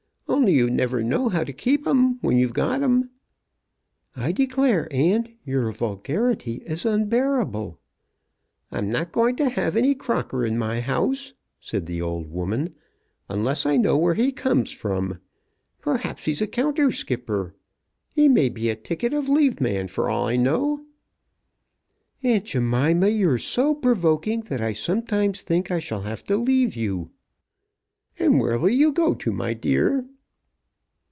Only you never know how to keep 'em when you've got 'em." "I declare, aunt, your vulgarity is unbearable." "I'm not going to have any Crocker in my house," said the old woman, "unless I know where he comes from. Perhaps he's a counter skipper. He may be a ticket of leave man for all you know." "Aunt Jemima, you're so provoking that I sometimes think I shall have to leave you." "Where will you go to, my dear?"